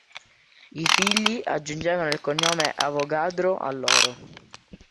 I figli aggiungeranno il cognome Avogadro al loro.